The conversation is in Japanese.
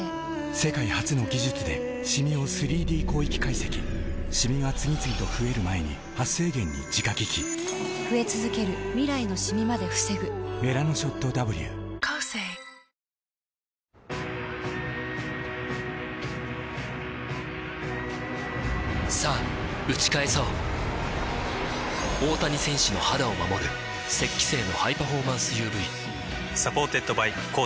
世界初の技術でシミを ３Ｄ 広域解析シミが次々と増える前に「メラノショット Ｗ」さぁ打ち返そう大谷選手の肌を守る「雪肌精」のハイパフォーマンス ＵＶサポーテッドバイコーセー